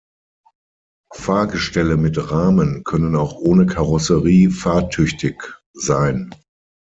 Fahrgestelle mit Rahmen können auch ohne Karosserie fahrtüchtig sein.